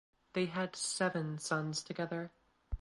They had seven sons together.